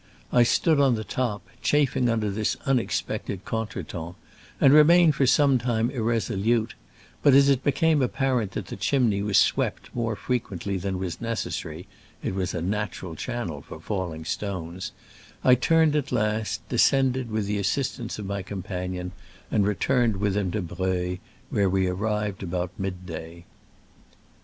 I stood on the top, chafing under this unexpected contretemps, and remained for some time irresolute ; but as it became ap parent that the Chimney was swept more frequently than was necessary (it was a natural channel for falling stones), I turned at last, descended with the assistance of my companion, and re turned with him to Breuil, where we arrived about mid day.